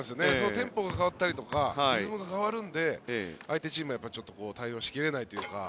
テンポが変わったりとかリズムが変わるので相手チームは対応しきれないというか。